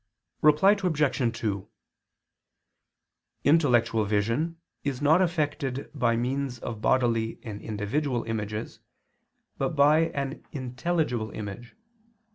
Reply Obj. 2: Intellectual vision is not effected by means of bodily and individual images, but by an intelligible image.